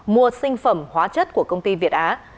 mua sinh phẩm hóa chất của công ty việt á